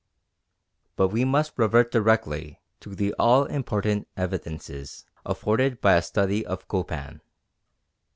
But we must revert directly to the all important evidences afforded by a study of Copan.